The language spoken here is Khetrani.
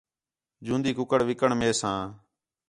جوندی کُکڑ وِکݨ میساں